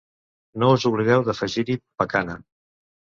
No us oblideu d'afegir-hi pacana.